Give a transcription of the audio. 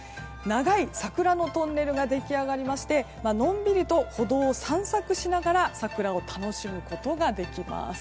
長い桜のトンネルが出来上がりましてのんびりと歩道を散策しながら桜を楽しむことができます。